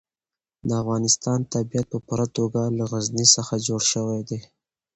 د افغانستان طبیعت په پوره توګه له غزني څخه جوړ شوی دی.